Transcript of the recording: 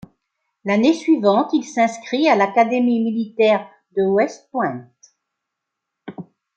L'année suivante, il s'inscrit à l'académie militaire de West Point.